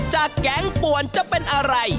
แก๊งป่วนจะเป็นอะไร